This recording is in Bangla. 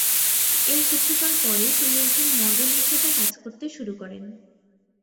এর কিছুকাল পরেই, তিনি একজন মডেল হিসেবে কাজ করতে শুরু করেন।